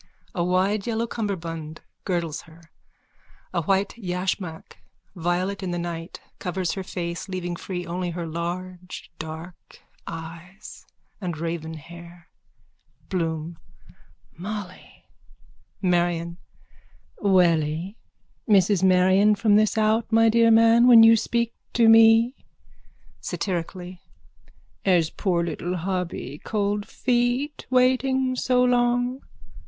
A wide yellow cummerbund girdles her. A white yashmak, violet in the night, covers her face, leaving free only her large dark eyes and raven hair.)_ BLOOM: Molly! MARION: Welly? Mrs Marion from this out, my dear man, when you speak to me. (Satirically.) Has poor little hubby cold feet waiting so long?